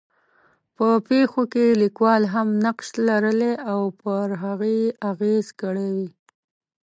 په پېښو کې لیکوال هم نقش لرلی او پر هغې یې اغېز کړی وي.